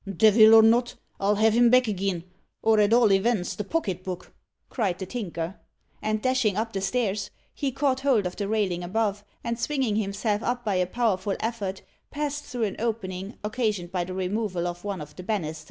"Devil or not, I'll have him back agin, or at all events the pocket book!" cried the Tinker. And, dashing up the stairs, he caught hold of the railing above, and swinging himself up by a powerful effort, passed through an opening, occasioned by the removal of one of the banisters.